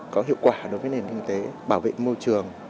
có hiệu quả đối với nền kinh tế bảo vệ môi trường